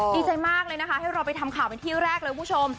ดีใจมากเลยนะคะให้เราไปทำข่าวเป็นที่แรกเลยคุณผู้ชม